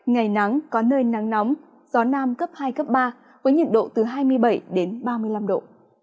ngày nắng có nơi nắng nóng gió nam cấp hai cấp ba với nhiệt độ từ hai mươi bảy ba mươi năm độ